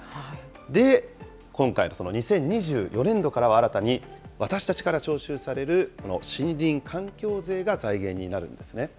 で、今回、その２０２４年度から新たに私たちから徴収される、この森林環境税が財源になるんですね。